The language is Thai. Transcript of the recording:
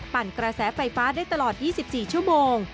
ปั่นกระแสไฟฟ้าได้ตลอด๒๔ชั่วโมง